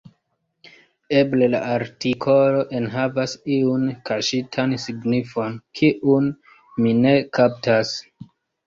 Eble la artikolo enhavas iun kaŝitan signifon, kiun mi ne kaptas.